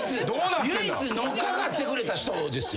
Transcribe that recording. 唯一乗っかってくれた人ですよ。